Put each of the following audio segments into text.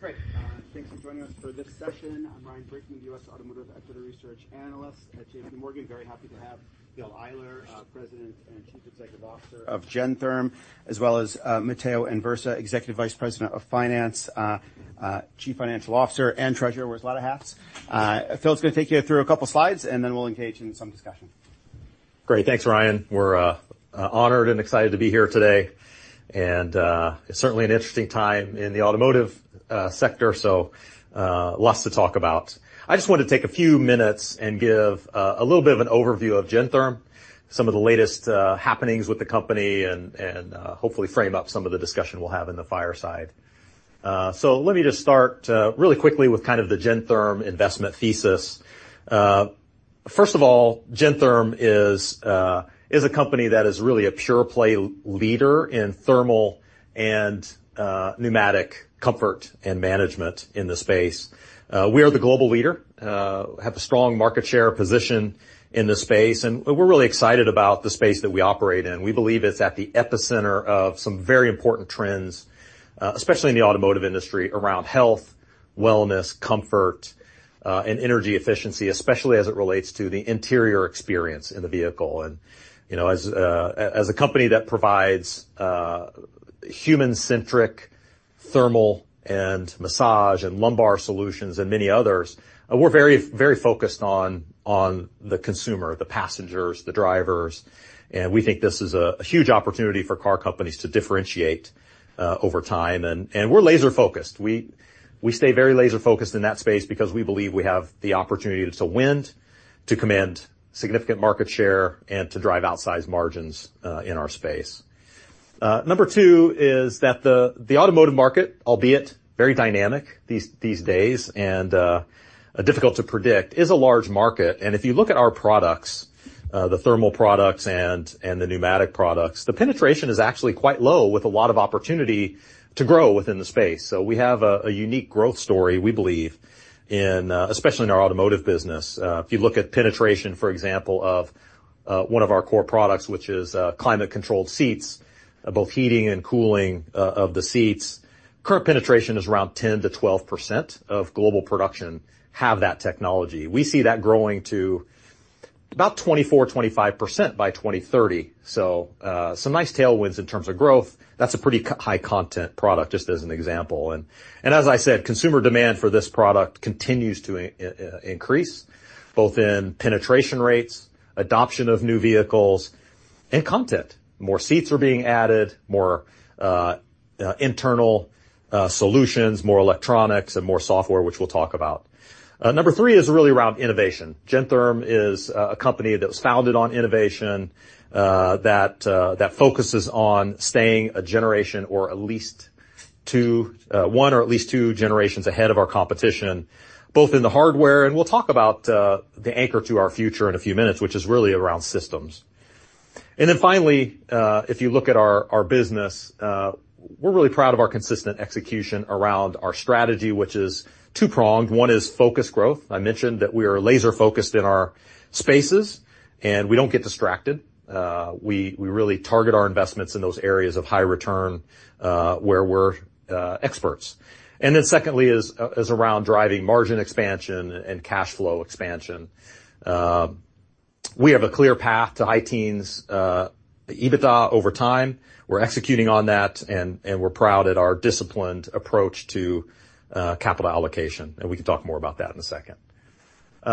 Great. Thanks for joining us for this session. I'm Ryan Brinkman, the US Automotive Equity Research Analyst at J.P. Morgan. Very happy to have Phil Eyler, President and Chief Executive Officer of Gentherm, as well as, Matteo Anversa, Executive Vice President of Finance, Chief Financial Officer, and Treasurer. Wears a lot of hats. Phil's gonna take you through a couple slides, and then we'll engage in some discussion. Great. Thanks, Ryan. We're honored and excited to be here today, and it's certainly an interesting time in the automotive sector, so lots to talk about. I just wanted to take a few minutes and give a little bit of an overview of Gentherm, some of the latest happenings with the company and hopefully frame up some of the discussion we'll have in the fireside. So let me just start really quickly with kind of the Gentherm investment thesis. First of all, Gentherm is a company that is really a pure-play leader in thermal and pneumatic comfort and management in the space. We are the global leader, have a strong market share position in this space, and we're really excited about the space that we operate in. We believe it's at the epicenter of some very important trends, especially in the automotive industry, around health, wellness, comfort, and energy efficiency, especially as it relates to the interior experience in the vehicle. And, you know, as a company that provides human-centric thermal and massage and lumbar solutions and many others, we're very, very focused on the consumer, the passengers, the drivers, and we think this is a huge opportunity for car companies to differentiate over time. And we're laser-focused. We stay very laser-focused in that space because we believe we have the opportunity to win, to command significant market share, and to drive outsized margins in our space. Number two is that the automotive market, albeit very dynamic these days and difficult to predict, is a large market. If you look at our products, the thermal products and the pneumatic products, the penetration is actually quite low, with a lot of opportunity to grow within the space. So we have a unique growth story, we believe, in especially in our automotive business. If you look at penetration, for example, of one of our core products, which is Climate Controlled Seats, both heating and cooling of the seats, current penetration is around 10% to 12% of global production have that technology. We see that growing to about 24% to 25% by 2030, so some nice tailwinds in terms of growth. That's a pretty high content product, just as an example. And as I said, consumer demand for this product continues to increase both in penetration rates, adoption of new vehicles, and content. More seats are being added, more, internal, solutions, more electronics, and more software, which we'll talk about. Number three is really around innovation. Gentherm is a company that was founded on innovation, that focuses on staying a generation or at least two-- one or at least two generations ahead of our competition, both in the hardware... And we'll talk about, the anchor to our future in a few minutes, which is really around systems. And then finally, if you look at our business, we're really proud of our consistent execution around our strategy, which is two-pronged. One is focused growth. I mentioned that we are laser-focused in our spaces, and we don't get distracted. We really target our investments in those areas of high return, where we're experts. And then secondly is around driving margin expansion and cash flow expansion. We have a clear path to high teens EBITDA over time. We're executing on that, and we're proud at our disciplined approach to capital allocation, and we can talk more about that in a second.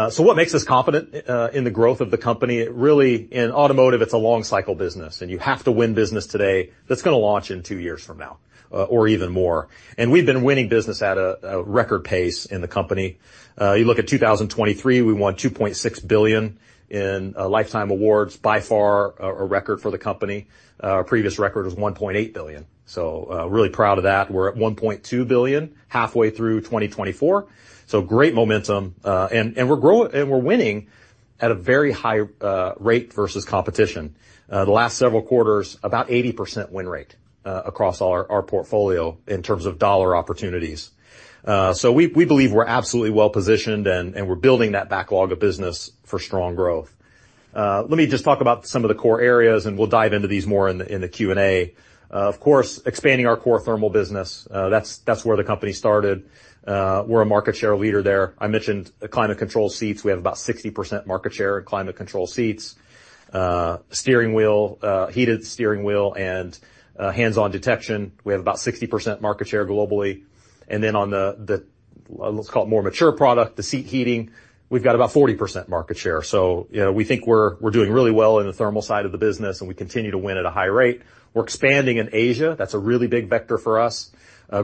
So what makes us confident in the growth of the company? Really, in automotive, it's a long cycle business, and you have to win business today that's gonna launch in two years from now, or even more. And we've been winning business at a record pace in the company. You look at 2023, we won $2.6 billion in lifetime awards, by far a record for the company. Our previous record was $1.8 billion, so really proud of that. We're at $1.2 billion, halfway through 2024, so great momentum, and we're winning at a very high rate versus competition. The last several quarters, about 80% win rate, across all our portfolio in terms of dollar opportunities. So we believe we're absolutely well-positioned, and we're building that backlog of business for strong growth. Let me just talk about some of the core areas, and we'll dive into these more in the Q&A. Of course, expanding our core thermal business, that's where the company started. We're a market share leader there. I mentioned the climate control seats. We have about 60% market share in climate control seats. Steering wheel, heated steering wheel, and hands-on detection, we have about 60% market share globally. And then on the more mature product, the seat heating, we've got about 40% market share, so you know, we think we're doing really well in the thermal side of the business, and we continue to win at a high rate. We're expanding in Asia. That's a really big vector for us.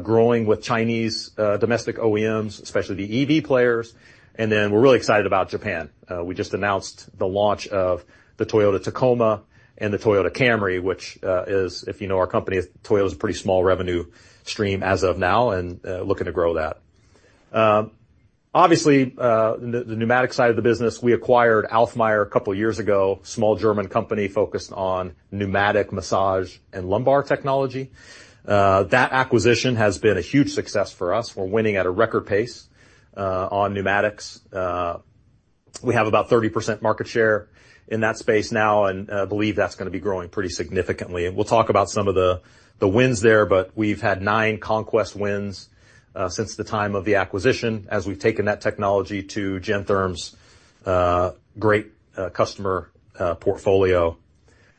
Growing with Chinese domestic OEMs, especially the EV players, and then we're really excited about Japan. We just announced the launch of the Toyota Tacoma and the Toyota Camry, which is, if you know our company, Toyota is a pretty small revenue stream as of now, and looking to grow that. Obviously, the pneumatic side of the business, we acquired Alfmeier a couple of years ago, a small German company focused on pneumatic massage and lumbar technology. That acquisition has been a huge success for us. We're winning at a record pace on pneumatics. We have about 30% market share in that space now, and believe that's gonna be growing pretty significantly. We'll talk about some of the wins there, but we've had 9 conquest wins since the time of the acquisition, as we've taken that technology to Gentherm's great customer portfolio.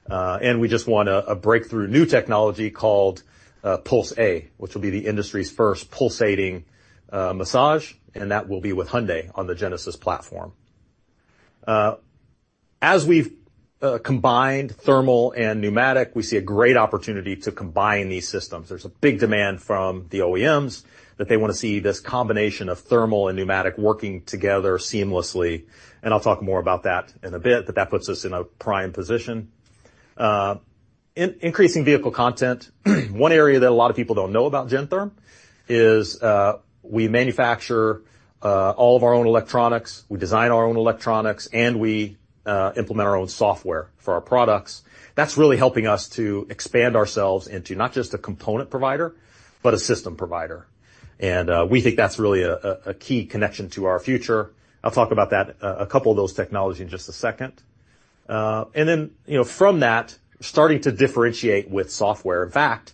And we just won a breakthrough new technology called Pulse-A, which will be the industry's first pulsating massage, and that will be with Hyundai on the Genesis platform. As we've combined thermal and pneumatic, we see a great opportunity to combine these systems. There's a big demand from the OEMs, that they wanna see this combination of thermal and pneumatic working together seamlessly, and I'll talk more about that in a bit, but that puts us in a prime position. Increasing vehicle content, one area that a lot of people don't know about Gentherm is, we manufacture all of our own electronics, we design our own electronics, and we implement our own software for our products. That's really helping us to expand ourselves into not just a component provider, but a system provider. And we think that's really a key connection to our future. I'll talk about that, a couple of those technologies in just a second. And then, you know, from that, starting to differentiate with software. In fact,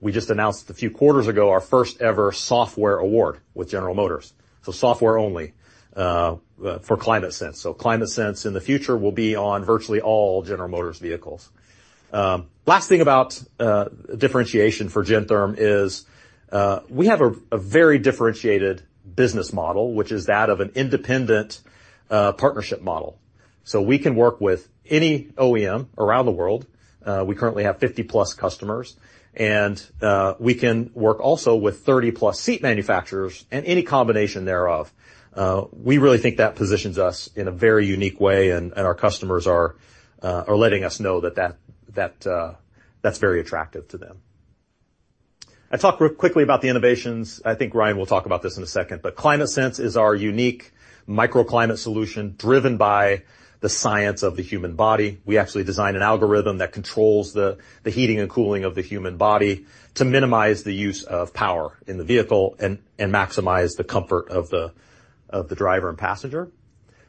we just announced a few quarters ago, our first-ever software award with General Motors. So software only for ClimateSense. So ClimateSense in the future will be on virtually all General Motors vehicles. Last thing about differentiation for Gentherm is we have a very differentiated business model, which is that of an independent partnership model. So we can work with any OEM around the world. We currently have 50+ customers, and we can work also with 30+ seat manufacturers and any combination thereof. We really think that positions us in a very unique way, and our customers are letting us know that that's very attractive to them. I'll talk real quickly about the innovations. I think Ryan will talk about this in a second, but ClimateSense is our unique microclimate solution, driven by the science of the human body. We actually designed an algorithm that controls the heating and cooling of the human body, to minimize the use of power in the vehicle and maximize the comfort of the driver and passenger.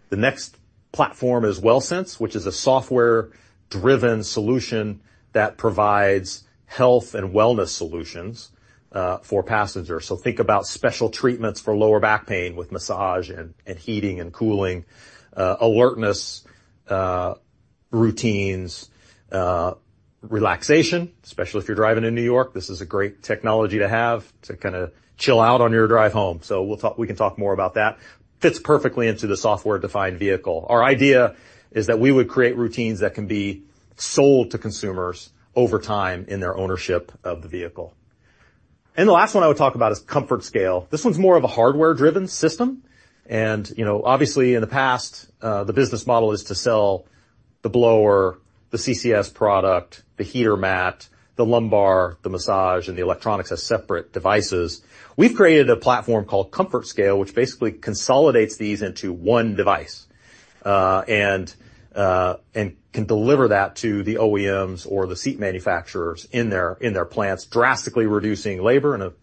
The next platform is WellSense, which is a software-driven solution that provides health and wellness solutions for passengers. So think about special treatments for lower back pain with massage and heating and cooling, alertness routines, relaxation. Especially if you're driving in New York, this is a great technology to have, to kinda chill out on your drive home. So we can talk more about that. Fits perfectly into the software-defined vehicle. Our idea is that we would create routines that can be sold to consumers over time in their ownership of the vehicle. And the last one I would talk about is ComfortScale. This one's more of a hardware-driven system. You know, obviously, in the past, the business model is to sell the blower, the CCS product, the heater mat, the lumbar, the massage, and the electronics as separate devices. We've created a platform called ComfortScale, which basically consolidates these into one device, and can deliver that to the OEMs or the seat manufacturers in their plants, drastically reducing labor, and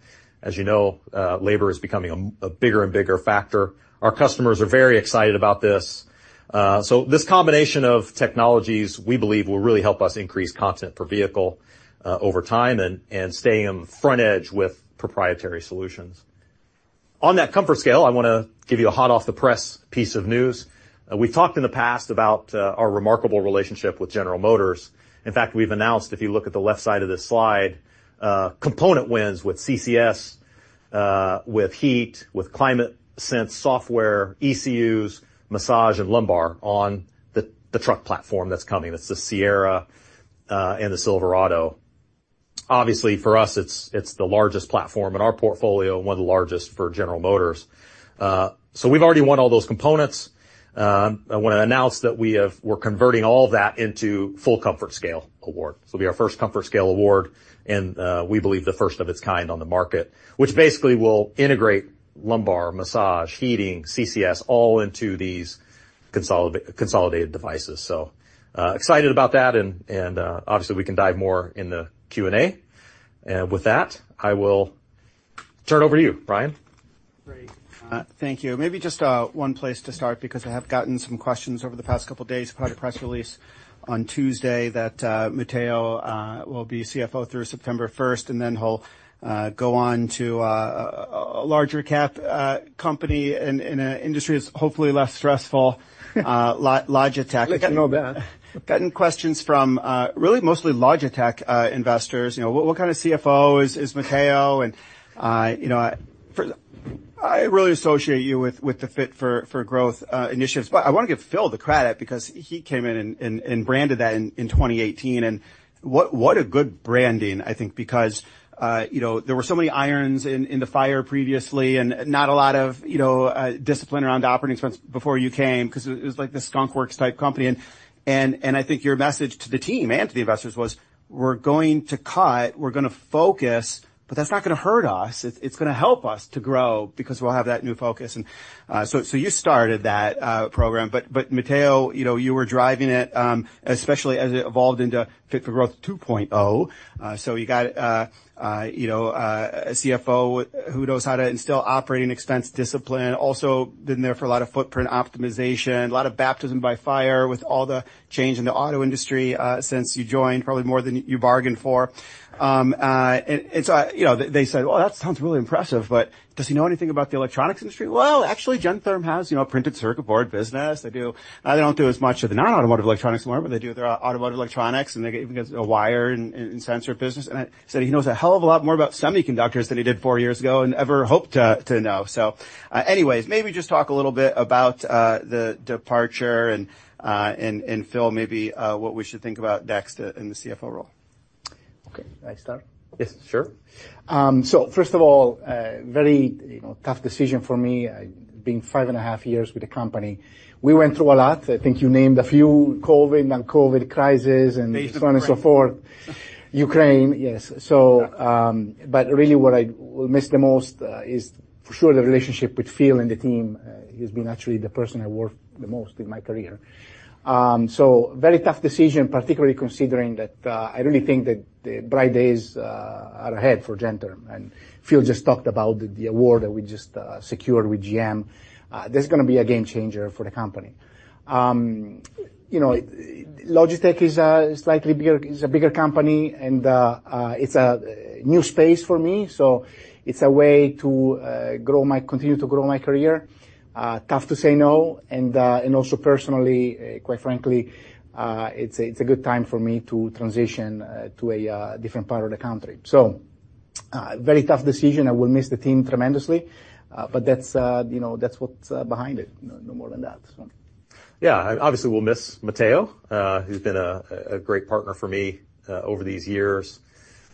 as you know, labor is becoming a bigger and bigger factor. Our customers are very excited about this. So this combination of technologies, we believe, will really help us increase content per vehicle, over time, and staying on the front edge with proprietary solutions. On that ComfortScale, I wanna give you a hot-off-the-press piece of news. We've talked in the past about our remarkable relationship with General Motors. In fact, we've announced, if you look at the left side of this slide, component wins with CCS, with heat, with ClimateSense software, ECUs, massage, and lumbar on the truck platform that's coming. It's the Sierra and the Silverado. Obviously, for us, it's the largest platform in our portfolio and one of the largest for General Motors. So we've already won all those components. I wanna announce that we have, we're converting all of that into full ComfortScale award. This will be our first ComfortScale award, and we believe the first of its kind on the market, which basically will integrate lumbar, massage, heating, CCS, all into these consolidated devices. So, excited about that, and obviously, we can dive more in the Q&A. With that, I will turn it over to you, Ryan. Great. Thank you. Maybe just one place to start, because I have gotten some questions over the past couple of days about a press release on Tuesday, that Matteo will be CFO through September first, and then he'll go on to a larger cap company in an industry that's hopefully less stressful, Logitech. It's not that bad. Gotten questions from, really mostly Logitech, investors. You know, what kind of CFO is Matteo? And, you know, I really associate you with the Fit for Growth initiatives. But I want to give Phil the credit because he came in and branded that in 2018. And what a good branding, I think, because, you know, there were so many irons in the fire previously, and not a lot of, you know, discipline around operating expense before you came, 'cause it was like this skunkworks type company. And I think your message to the team and to the investors was, "We're going to cut, we're gonna focus, but that's not gonna hurt us. It's gonna help us to grow because we'll have that new focus." And so you started that program, but Matteo, you know, you were driving it, especially as it evolved into Fit for Growth 2.0. So you got, you know, a CFO who knows how to instill operating expense discipline, also been there for a lot of footprint optimization, a lot of baptism by fire with all the change in the auto industry, since you joined, probably more than you bargained for. And so, you know, they said, "Well, that sounds really impressive, but does he know anything about the electronics industry?" Well, actually, Gentherm has, you know, a printed circuit board business. They don't do as much of the non-automotive electronics anymore, but they do their automotive electronics, and they even get a wire and sensor business. And I said, "He knows a hell of a lot more about semiconductors than he did four years ago and ever hoped to know." So, anyways, maybe just talk a little bit about the departure and Phil, maybe what we should think about next in the CFO role. Okay. Can I start? Yes, sure. So first of all, very, you know, tough decision for me, being 5.5 years with the company. We went through a lot. I think you named a few, COVID, non-COVID crises, and so on and so forth Ukraine, yes. So, but really what I will miss the most is for sure the relationship with Phil and the team. He's been actually the person I worked the most in my career. So very tough decision, particularly considering that, I really think that the bright days are ahead for Gentherm. And Phil just talked about the award that we just secured with GM. That's gonna be a game changer for the company. You know, Logitech is a slightly bigger... is a bigger company, and, it's a new space for me, so it's a way to grow my- continue to grow my career. Tough to say no, and, and also personally, quite frankly, it's a, it's a good time for me to transition to a different part of the country. So, very tough decision. I will miss the team tremendously, but that's, you know, that's what's behind it. No, no more than that, so. Yeah. Obviously, we'll miss Matteo, who's been a great partner for me over these years.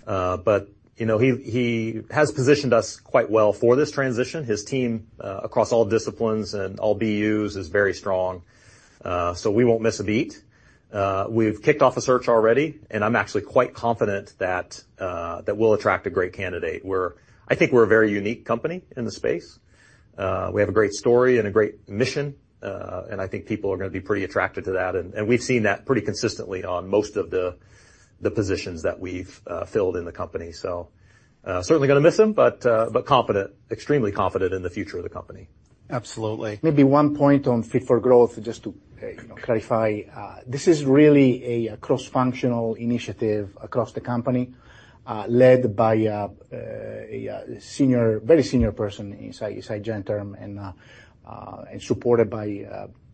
But, you know, he has positioned us quite well for this transition. His team across all disciplines and all BUs is very strong, so we won't miss a beat. We've kicked off the search already, and I'm actually quite confident that we'll attract a great candidate. I think we're a very unique company in the space. We have a great story and a great mission, and I think people are gonna be pretty attracted to that. And we've seen that pretty consistently on most of the positions that we've filled in the company. So, certainly gonna miss him, but confident, extremely confident in the future of the company. Absolutely. Maybe one point on Fit for Growth, just to clarify. This is really a cross-functional initiative across the company, led by a very senior person inside Gentherm, and supported by,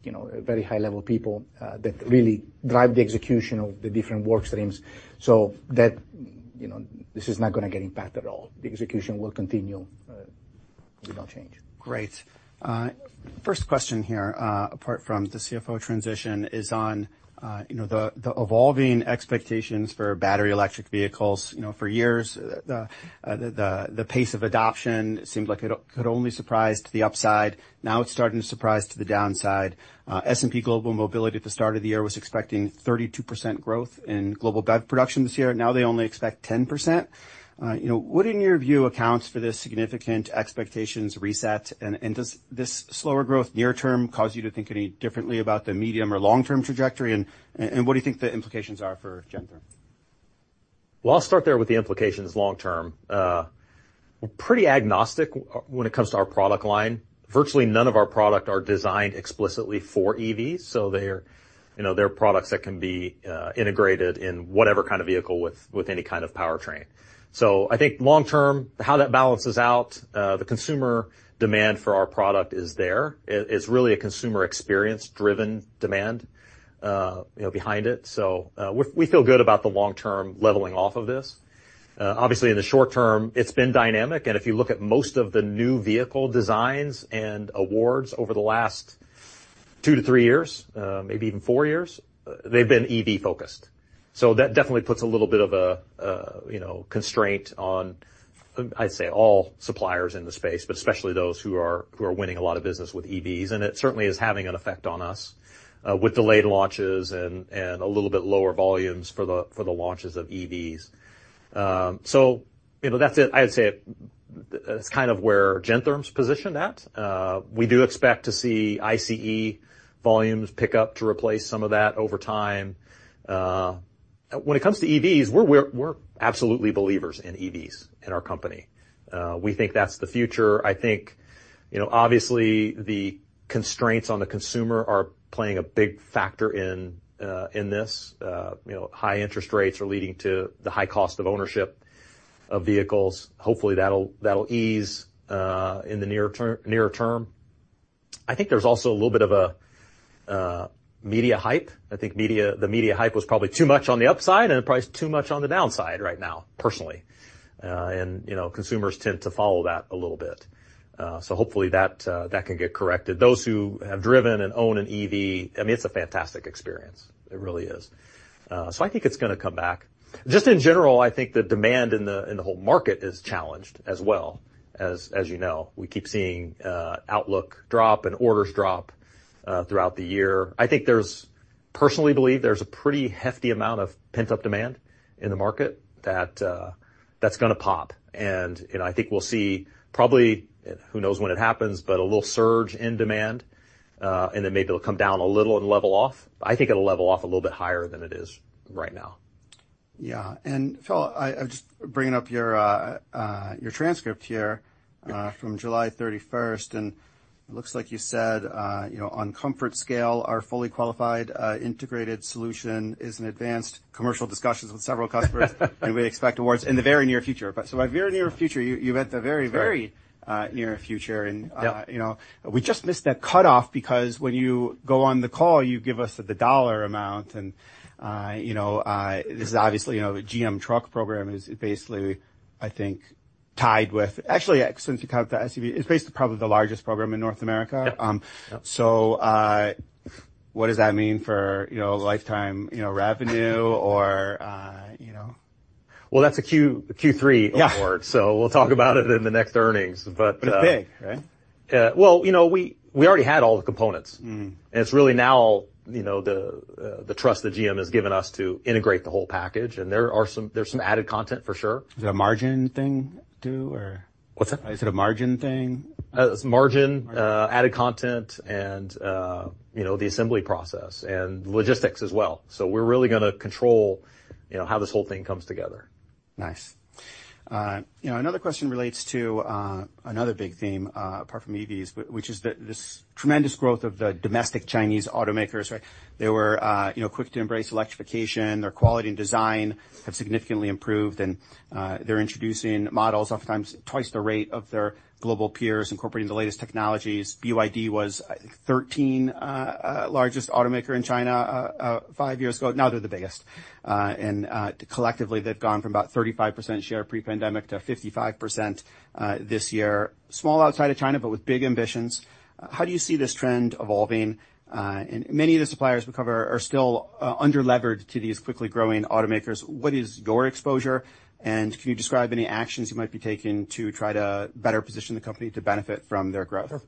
you know, very high-level people that really drive the execution of the different work streams. So that, you know, this is not gonna get impacted at all. The execution will continue with no change. Great. First question here, apart from the CFO transition, is on, you know, the evolving expectations for battery electric vehicles. You know, for years, the pace of adoption seemed like it could only surprise to the upside. Now it's starting to surprise to the downside. S&P Global Mobility at the start of the year was expecting 32% growth in global BEV production this year. Now they only expect 10%. You know, what, in your view, accounts for this significant expectations reset? And does this slower growth near term cause you to think any differently about the medium or long-term trajectory? And what do you think the implications are for Gentherm? Well, I'll start there with the implications long term. We're pretty agnostic when it comes to our product line. Virtually none of our product are designed explicitly for EVs, so they're, you know, they're products that can be integrated in whatever kind of vehicle with any kind of powertrain. So I think long term, how that balances out, the consumer demand for our product is there. It, it's really a consumer experience-driven demand, you know, behind it, so, we feel good about the long-term leveling off of this. Obviously, in the short term, it's been dynamic, and if you look at most of the new vehicle designs and awards over the last 2-3 years, maybe even 4 years, they've been EV focused. So that definitely puts a little bit of a you know constraint on, I'd say, all suppliers in the space, but especially those who are winning a lot of business with EVs. And it certainly is having an effect on us with delayed launches and a little bit lower volumes for the launches of EVs. So, you know, that's it. I'd say that's kind of where Gentherm's positioned at. We do expect to see ICE volumes pick up to replace some of that over time. When it comes to EVs, we're absolutely believers in EVs in our company. We think that's the future. I think, you know, obviously, the constraints on the consumer are playing a big factor in this. You know, high interest rates are leading to the high cost of ownership of vehicles. Hopefully, that'll ease in the near term. I think there's also a little bit of a media hype. I think the media hype was probably too much on the upside, and probably it's too much on the downside right now, personally. And, you know, consumers tend to follow that a little bit. So hopefully that can get corrected. Those who have driven and own an EV, I mean, it's a fantastic experience. It really is. So I think it's gonna come back. Just in general, I think the demand in the whole market is challenged as well. As you know, we keep seeing outlook drop and orders drop throughout the year. I think there's... Personally believe there's a pretty hefty amount of pent-up demand in the market that that's gonna pop. And I think we'll see probably, who knows when it happens, but a little surge in demand, and then maybe it'll come down a little and level off. I think it'll level off a little bit higher than it is right now. Yeah. And Phil, I'm just bringing up your transcript here from July 31st, and it looks like you said, you know, "On ComfortScale, our fully qualified integrated solution is in advanced commercial discussions with several customers and we expect awards in the very near future." But so by very near future, you meant the very- Right... very near future, and Yeah... you know, we just missed that cutoff because when you go on the call, you give us the US dollar amount, and, you know, Sure... this is obviously, you know, the GM truck program is basically, I think, tied with... Actually, since you count the SUV, it's basically probably the largest program in North America. Yep. Yep. What does that mean for, you know, lifetime, you know, revenue or, you know? Well, that's a Q3 award. Yeah. We'll talk about it in the next earnings, but... It's big, right? Yeah. Well, you know, we already had all the components. Mm-hmm. It's really now, you know, the trust that GM has given us to integrate the whole package, and there's some added content, for sure. Is it a margin thing, too, or? What's that? Is it a margin thing? It's margin- Margin... added content and, you know, the assembly process and logistics as well. So we're really gonna control, you know, how this whole thing comes together. Nice. You know, another question relates to, another big theme, apart from EVs, but which is the, this tremendous growth of the domestic Chinese automakers, right? They were, you know, quick to embrace electrification. Their quality and design have significantly improved, and, they're introducing models oftentimes twice the rate of their global peers, incorporating the latest technologies. BYD was, I think, 13 largest automaker in China, five years ago. Now they're the biggest. And, collectively, they've gone from about 35% share pre-pandemic to 55%, this year. Small outside of China, but with big ambitions. How do you see this trend evolving? And many of the suppliers we cover are still, under-levered to these quickly growing automakers. What is your exposure, and can you describe any actions you might be taking to try to better position the company to benefit from their growth? Sure.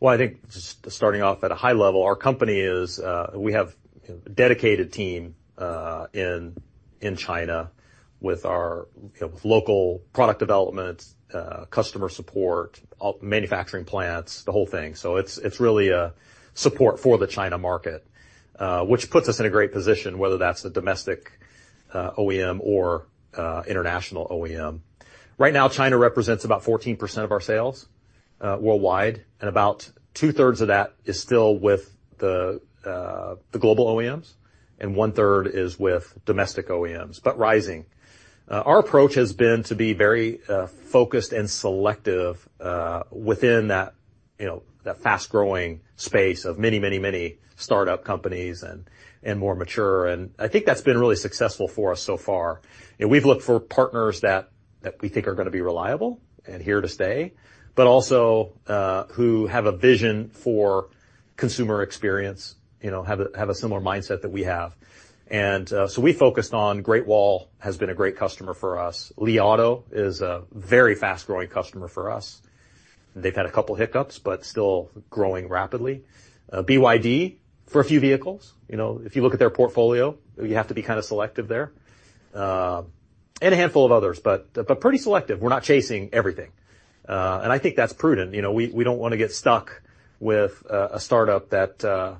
Well, I think just starting off at a high level, our company is we have a dedicated team in China with our, you know, local product development, customer support, manufacturing plants, the whole thing. So it's, it's really a support for the China market, which puts us in a great position, whether that's a domestic OEM or international OEM. Right now, China represents about 14% of our sales worldwide, and about two-thirds of that is still with the the global OEMs, and one-third is with domestic OEMs, but rising. Our approach has been to be very focused and selective within that, you know, that fast-growing space of many, many, many startup companies and, and more mature, and I think that's been really successful for us so far. We've looked for partners that we think are gonna be reliable and here to stay, but also who have a vision for consumer experience, you know, have a similar mindset that we have. So we focused on Great Wall, has been a great customer for us. Li Auto is a very fast-growing customer for us. They've had a couple hiccups, but still growing rapidly. BYD, for a few vehicles. You know, if you look at their portfolio, you have to be kind of selective there, and a handful of others, but pretty selective. We're not chasing everything. And I think that's prudent. You know, we don't wanna get stuck with a startup that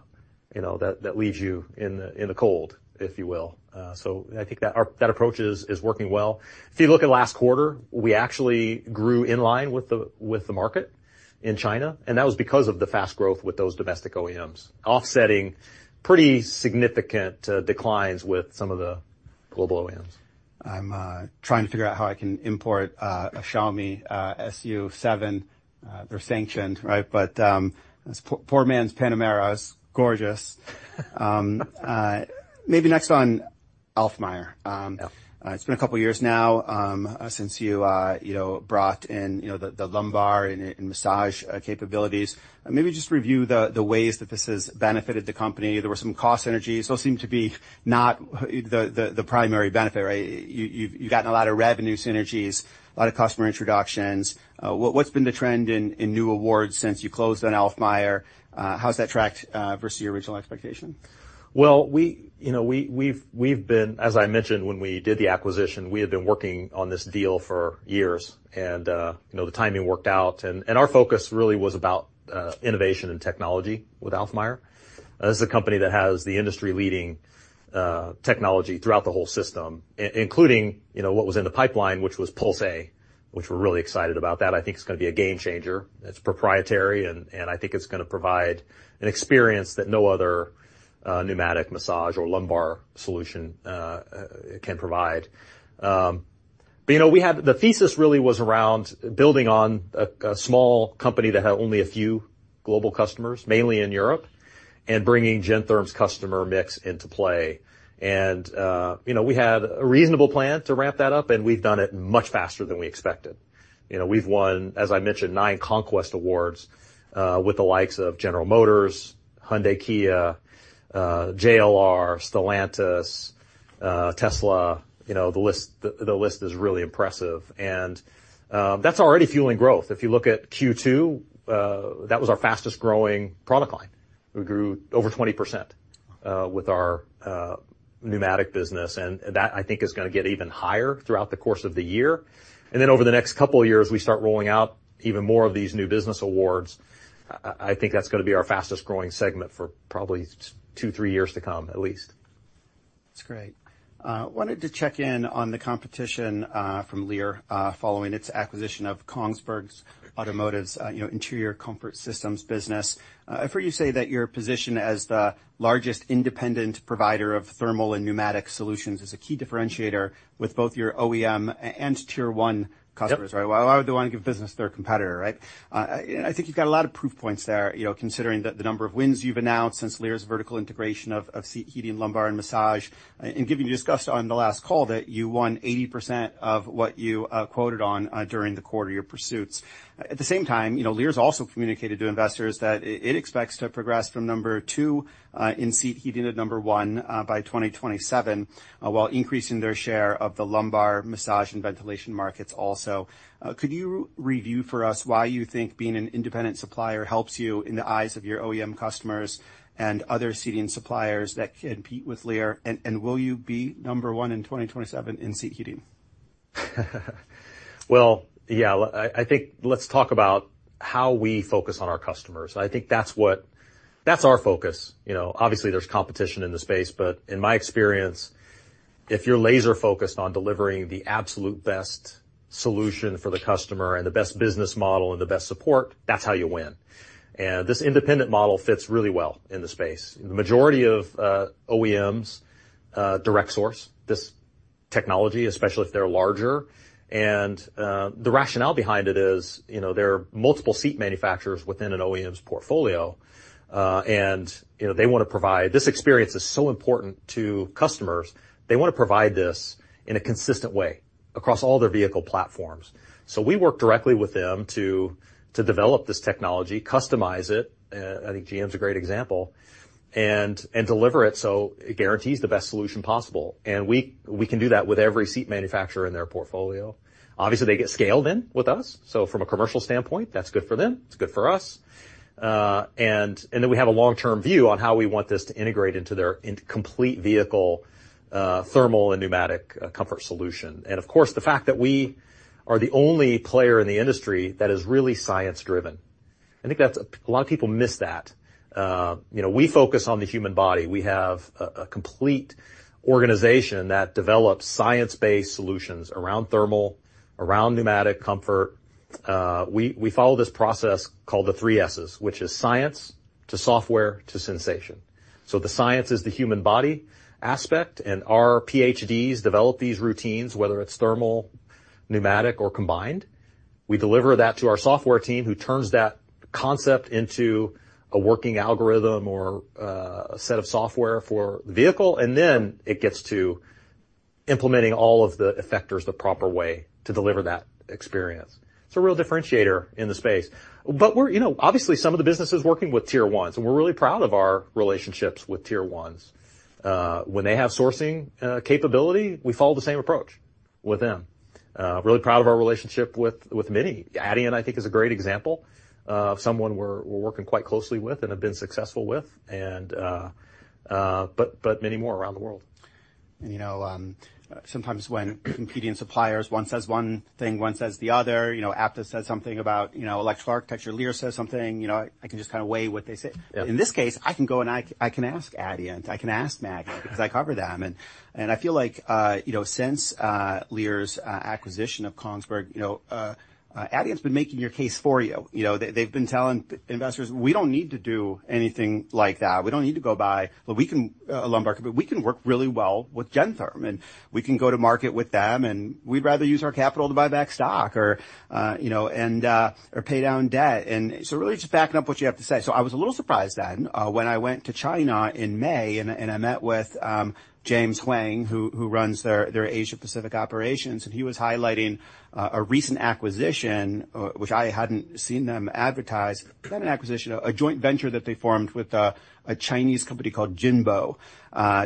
you know that leaves you in the cold, if you will. So I think that our approach is working well. If you look at last quarter, we actually grew in line with the market in China, and that was because of the fast growth with those domestic OEMs, offsetting pretty significant declines with some of the global OEMs. I'm trying to figure out how I can import a Xiaomi SU7. They're sanctioned, right? But this poor, poor man's Panamera is gorgeous. Maybe next on Alfmeier. Yeah. It's been a couple of years now since you, you know, brought in, you know, the lumbar and massage capabilities. Maybe just review the ways that this has benefited the company. There were some cost synergies. Those seem to be not the primary benefit, right? You've gotten a lot of revenue synergies, a lot of customer introductions. What's been the trend in new awards since you closed on Alfmeier? How's that tracked versus your original expectation? Well, you know, we've been... As I mentioned, when we did the acquisition, we had been working on this deal for years, and, you know, the timing worked out, and our focus really was about innovation and technology with Alfmeier. This is a company that has the industry-leading technology throughout the whole system, including, you know, what was in the pipeline, which was Pulse-A, which we're really excited about that. I think it's gonna be a game changer. It's proprietary, and I think it's gonna provide an experience that no other pneumatic massage or lumbar solution can provide. But, you know, the thesis really was around building on a small company that had only a few global customers, mainly in Europe, and bringing Gentherm's customer mix into play. You know, we had a reasonable plan to ramp that up, and we've done it much faster than we expected. You know, we've won, as I mentioned, nine Conquest Awards with the likes of General Motors, Hyundai Kia, JLR, Stellantis, Tesla. You know, the list, the list is really impressive, and that's already fueling growth. If you look at Q2, that was our fastest-growing product line. We grew over 20% with our pneumatic business, and that, I think, is gonna get even higher throughout the course of the year. And then over the next couple of years, we start rolling out even more of these new business awards. I think that's gonna be our fastest-growing segment for probably two, three years to come at least. That's great. Wanted to check in on the competition from Lear following its acquisition of Kongsberg Automotive's interior comfort systems business. You know, I've heard you say that your position as the largest independent provider of thermal and pneumatic solutions is a key differentiator with both your OEM and Tier One customers, right? Yep. Why would they want to give business to their competitor, right? I think you've got a lot of proof points there, you know, considering the number of wins you've announced since Lear's vertical integration of seat, heating, lumbar, and massage, and given you discussed on the last call that you won 80% of what you quoted on during the quarter, your pursuits. At the same time, you know, Lear's also communicated to investors that it expects to progress from number two in seat heating to number one by 2027 while increasing their share of the lumbar, massage, and ventilation markets also. Could you re-review for us why you think being an independent supplier helps you in the eyes of your OEM customers and other seating suppliers that compete with Lear? And will you be number one in 2027 in seat heating? Well, yeah. I think let's talk about how we focus on our customers. I think that's what... That's our focus. You know, obviously, there's competition in the space, but in my experience, if you're laser-focused on delivering the absolute best solution for the customer and the best business model and the best support, that's how you win, and this independent model fits really well in the space. The majority of OEMs direct source this technology, especially if they're larger, and the rationale behind it is, you know, there are multiple seat manufacturers within an OEM's portfolio, and you know, they wanna provide... This experience is so important to customers. They wanna provide this in a consistent way across all their vehicle platforms. So we work directly with them to develop this technology, customize it. I think GM's a great example, and deliver it, so it guarantees the best solution possible. We can do that with every seat manufacturer in their portfolio. Obviously, they get scaled in with us, so from a commercial standpoint, that's good for them, it's good for us. Then we have a long-term view on how we want this to integrate into their complete vehicle, thermal and pneumatic comfort solution. Of course, the fact that we are the only player in the industry that is really science-driven, I think that's a lot of people miss that. You know, we focus on the human body. We have a complete organization that develops science-based solutions around thermal, around pneumatic comfort. We follow this process called the three S's, which is science to software to sensation. So the science is the human body aspect, and our PhDs develop these routines, whether it's thermal, pneumatic, or combined. We deliver that to our software team, who turns that concept into a working algorithm or a set of software for the vehicle, and then it gets to implementing all of the effectors the proper way to deliver that experience. It's a real differentiator in the space. But we're, you know, obviously, some of the business is working with Tier Ones, and we're really proud of our relationships with Tier Ones. When they have sourcing capability, we follow the same approach with them. Really proud of our relationship with Mini. Adient, I think, is a great example of someone we're working quite closely with and have been successful with, and but many more around the world. You know, sometimes when competing suppliers, one says one thing, one says the other, you know, Aptiv says something about, you know, electrical architecture. Lear says something, you know, I can just kind of weigh what they say. Yep. In this case, I can go, and I can ask Adient. I can ask Magna because I cover them. And I feel like, you know, since Lear's acquisition of Kongsberg, you know, Adient's been making your case for you. You know, they've been telling investors, "We don't need to do anything like that. We don't need to go buy, but we can [a] lumbar, but we can work really well with Gentherm, and we can go to market with them, and we'd rather use our capital to buy back stock or, you know, and or pay down debt." And so really just backing up what you have to say. So I was a little surprised then, when I went to China in May, and I met with James Huang, who runs their Asia Pacific operations, and he was highlighting a recent acquisition, which I hadn't seen them advertise, not an acquisition, a joint venture that they formed with a Chinese company called Jinwo,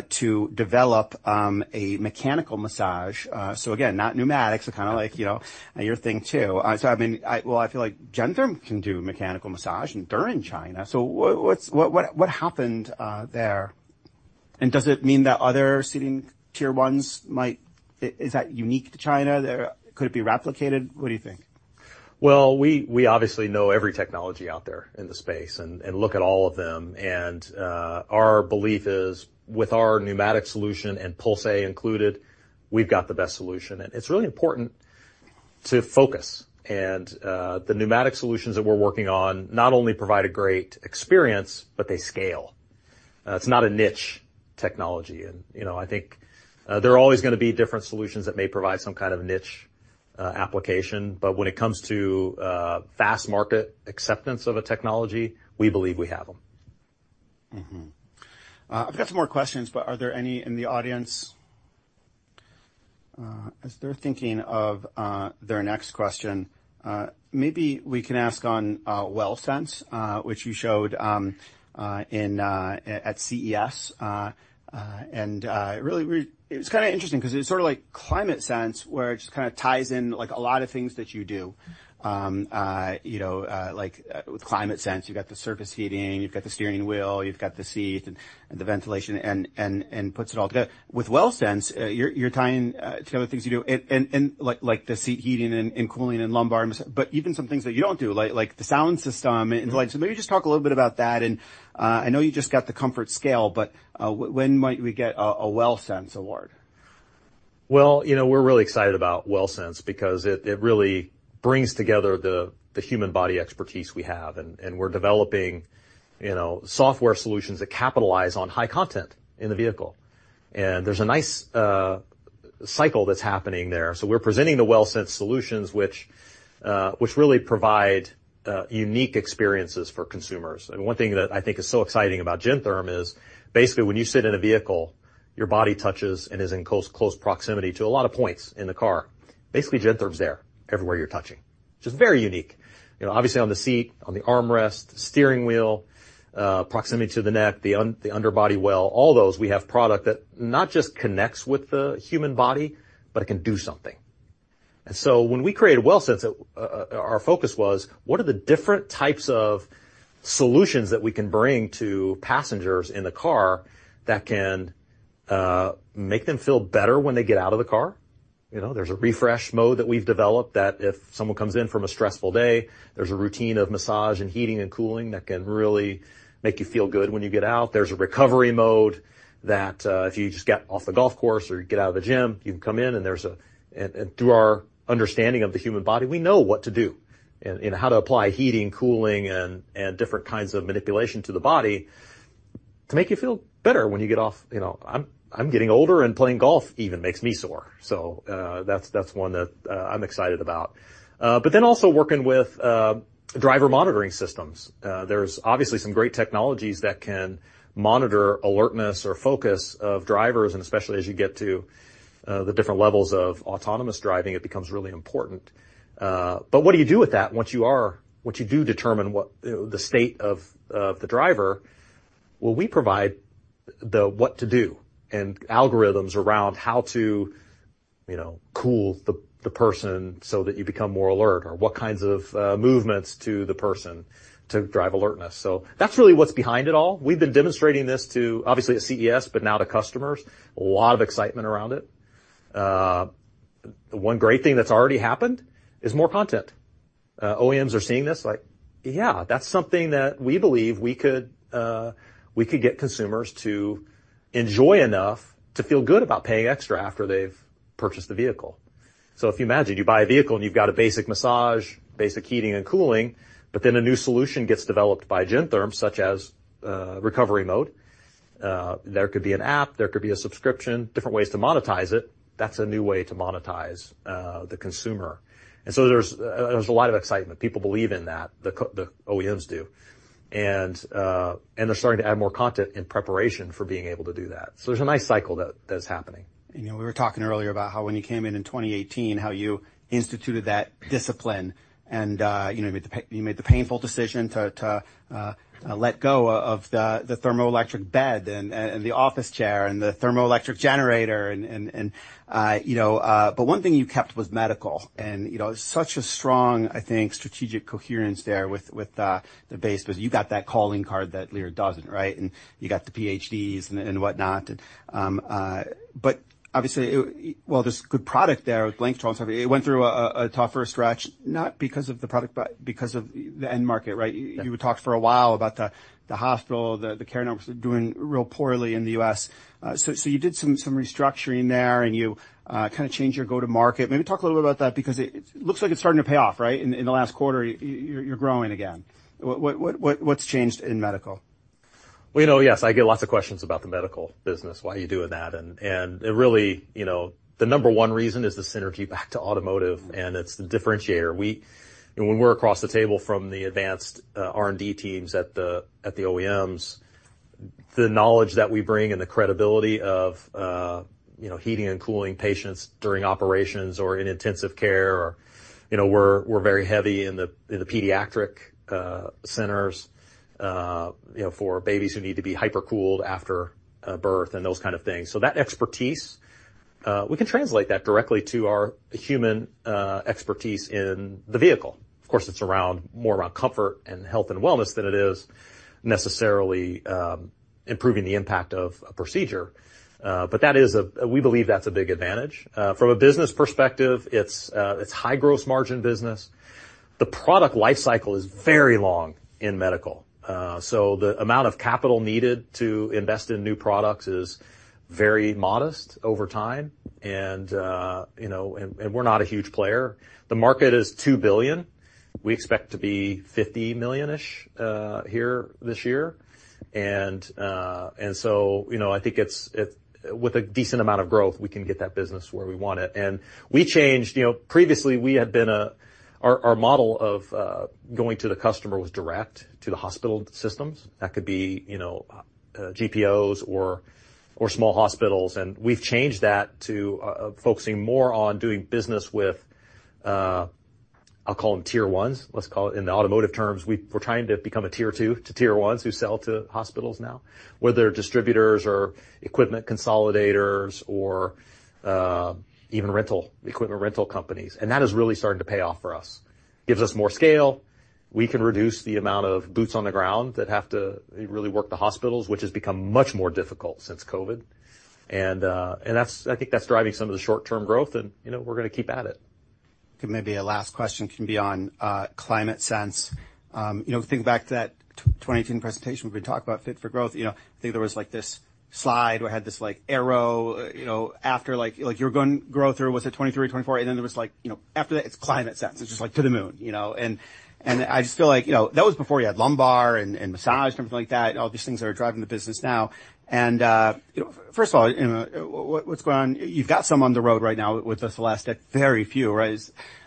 to develop a mechanical massage. So again, not pneumatics, so kind of like, you know, your thing, too. So I mean, well, I feel like Gentherm can do mechanical massage, and they're in China, so what happened there? And does it mean that other seating Tier Ones might... Is that unique to China there? Could it be replicated? What do you think? Well, we obviously know every technology out there in the space and look at all of them. Our belief is, with our pneumatic solution and Pulse-A included, we've got the best solution. And it's really important to focus. The pneumatic solutions that we're working on not only provide a great experience, but they scale. It's not a niche technology and, you know, I think, there are always gonna be different solutions that may provide some kind of niche application, but when it comes to fast market acceptance of a technology, we believe we have them. Mm-hmm. I've got some more questions, but are there any in the audience? As they're thinking of their next question, maybe we can ask on WellSense, which you showed at CES. And it really—it was kinda interesting because it's sort of like ClimateSense, where it just kinda ties in, like, a lot of things that you do. You know, like, with ClimateSense, you've got the surface heating, you've got the steering wheel, you've got the seat and puts it all together. With WellSense, you're tying together things you do, and like the seat heating and cooling and lumbar, but even some things that you don't do, like the sound system and the lights. So maybe just talk a little bit about that, and, I know you just got the ComfortScale, but, when might we get a, a WellSense award? Well, you know, we're really excited about WellSense because it really brings together the human body expertise we have, and we're developing, you know, software solutions that capitalize on high content in the vehicle. And there's a nice cycle that's happening there. So we're presenting the WellSense solutions, which really provide unique experiences for consumers. And one thing that I think is so exciting about Gentherm is, basically, when you sit in a vehicle, your body touches and is in close proximity to a lot of points in the car. Basically, Gentherm's there everywhere you're touching, which is very unique. You know, obviously, on the seat, on the armrest, the steering wheel, proximity to the neck, the underbody well, all those, we have product that not just connects with the human body, but it can do something. And so when we created WellSense, our focus was: what are the different types of solutions that we can bring to passengers in the car that can make them feel better when they get out of the car? You know, there's a refresh mode that we've developed that if someone comes in from a stressful day, there's a routine of massage and heating and cooling that can really make you feel good when you get out. There's a recovery mode that if you just got off the golf course or you get out of the gym, you can come in, and through our understanding of the human body, we know what to do and how to apply heating, cooling, and different kinds of manipulation to the body to make you feel better when you get off. You know, I'm getting older, and playing golf even makes me sore, so that's one that I'm excited about. But then also working with driver monitoring systems. There's obviously some great technologies that can monitor alertness or focus of drivers, and especially as you get to the different levels of autonomous driving, it becomes really important. But what do you do with that once you do determine what, you know, the state of the driver? Well, we provide the what to do and algorithms around how to, you know, cool the person so that you become more alert, or what kinds of movements to the person to drive alertness. So that's really what's behind it all. We've been demonstrating this to, obviously, at CES, but now to customers. A lot of excitement around it. One great thing that's already happened is more content. OEMs are seeing this, like, "Yeah, that's something that we believe we could, we could get consumers to enjoy enough to feel good about paying extra after they've purchased the vehicle." So if you imagine, you buy a vehicle, and you've got a basic massage, basic heating and cooling, but then a new solution gets developed by Gentherm, such as, recovery mode, there could be an app, there could be a subscription, different ways to monetize it. That's a new way to monetize, the consumer. And so there's, there's a lot of excitement. People believe in that, the OEMs do. And, and they're starting to add more content in preparation for being able to do that. So there's a nice cycle that, that's happening. You know, we were talking earlier about how, when you came in in 2018, how you instituted that discipline, and, you know, you made the painful decision to let go of the thermoelectric bed and the office chair and the thermoelectric generator, and you know... But one thing you kept was medical, and, you know, such a strong, I think, strategic coherence there with the base, because you got that calling card that Lear doesn't, right? And you got the PhDs and whatnot. But obviously, well, there's good product there with Blanketrol. It went through a tough first stretch, not because of the product, but because of the end market, right? Yeah. You would talk for a while about the hospital, the care numbers are doing real poorly in the U.S. So you did some restructuring there, and you kinda changed your go-to-market. Maybe talk a little bit about that because it looks like it's starting to pay off, right? In the last quarter, you're growing again. What's changed in medical? Well, you know, yes, I get lots of questions about the medical business, "Why are you doing that?" And it really, you know, the number one reason is the synergy back to automotive, and it's the differentiator. When we're across the table from the advanced R&D teams at the OEMs, the knowledge that we bring and the credibility of, you know, heating and cooling patients during operations or in intensive care or, you know, we're very heavy in the pediatric centers, you know, for babies who need to be hypercooled after birth and those kind of things. So that expertise we can translate that directly to our human expertise in the vehicle. Of course, it's around, more around comfort and health and wellness than it is necessarily improving the impact of a procedure. But that is. We believe that's a big advantage. From a business perspective, it's a high gross margin business. The product life cycle is very long in medical, so the amount of capital needed to invest in new products is very modest over time. And, you know, we're not a huge player. The market is $2 billion. We expect to be $50 million-ish here this year. And, so, you know, I think it's with a decent amount of growth, we can get that business where we want it. And we changed. You know, previously, we had been our model of going to the customer was direct to the hospital systems. That could be, you know, GPOs or small hospitals, and we've changed that to focusing more on doing business with, I'll call them Tier Ones, let's call it. In the automotive terms, we're trying to become a Tier Two to Tier Ones who sell to hospitals now, whether distributors or equipment consolidators or even rental, equipment rental companies, and that is really starting to pay off for us. Gives us more scale. We can reduce the amount of boots on the ground that have to really work the hospitals, which has become much more difficult since COVID. And that's - I think that's driving some of the short-term growth, and, you know, we're gonna keep at it. Okay, maybe our last question can be on ClimateSense. You know, thinking back to that 2015 presentation, we've been talking about fit for growth. You know, I think there was, like, this slide where I had this, like, arrow, you know, after, like, you were going growth through, was it 2023, 2024? And then there was like, you know, after that, it's ClimateSense. It's just, like, to the moon, you know? And I just feel like, you know, that was before you had lumbar and massage, things like that, all these things that are driving the business now. And you know, first of all, you know, what, what's going on? You've got some on the road right now with the Celestiq, very few, right?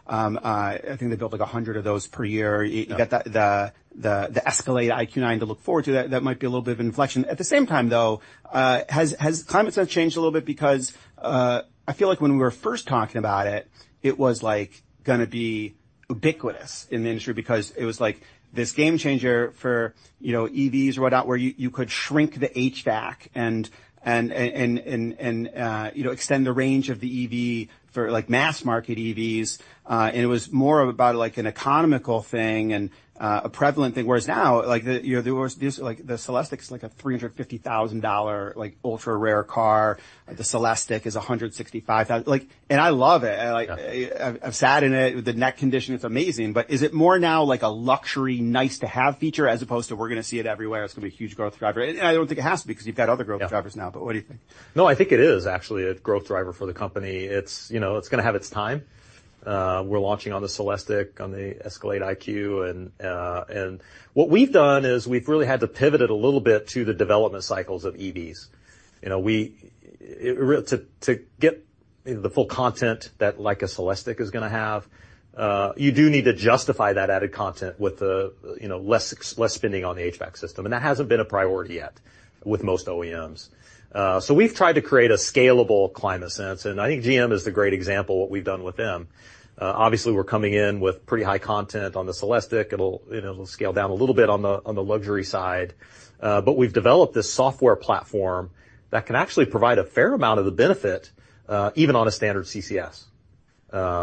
I think they built, like, 100 of those per year. Yeah. You got the Escalade IQ nine to look forward to. That might be a little bit of inflection. At the same time, though, has ClimateSense changed a little bit? Because I feel like when we were first talking about it, it was, like, gonna be ubiquitous in the industry because it was, like, this game changer for, you know, EVs and whatnot, where you could shrink the HVAC and extend the range of the EV for, like, mass-market EVs. And it was more about, like, an economical thing and a prevalent thing, whereas now, like, you know, there was this, like, the Celestiq is, like, a $350,000, like, ultra-rare car. The Celestiq is $165,000. Like... And I love it. Yeah. Like, I've, I've sat in it. The neck condition, it's amazing. But is it more now, like, a luxury, nice-to-have feature, as opposed to we're gonna see it everywhere, and it's gonna be a huge growth driver? I don't think it has to be, because you've got other growth drivers now. Yeah. But what do you think? No, I think it is actually a growth driver for the company. It's, you know, it's gonna have its time. We're launching on the Celestiq, on the Escalade IQ. And what we've done is we've really had to pivot it a little bit to the development cycles of EVs. You know, to get the full content that, like, a Celestiq is gonna have, you do need to justify that added content with the, you know, less spending on the HVAC system, and that hasn't been a priority yet with most OEMs. So we've tried to create a scalable ClimateSense, and I think GM is a great example of what we've done with them. Obviously, we're coming in with pretty high content on the Celestiq. It'll, you know, scale down a little bit on the luxury side, but we've developed this software platform that can actually provide a fair amount of the benefit, even on a standard CCS.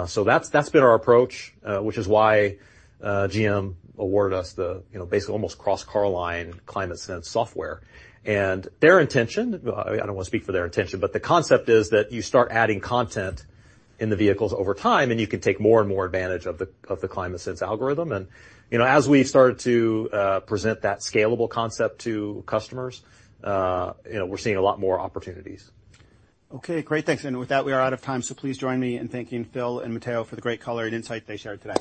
So that's been our approach, which is why GM awarded us the, you know, basically almost cross-car line ClimateSense software. Their intention, I don't want to speak for their intention, but the concept is that you start adding content in the vehicles over time, and you can take more and more advantage of the ClimateSense algorithm. You know, as we started to present that scalable concept to customers, you know, we're seeing a lot more opportunities. Okay, great. Thanks. With that, we are out of time, so please join me in thanking Phil and Matteo for the great color and insight they shared today.